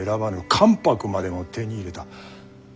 関白までも手に入れた。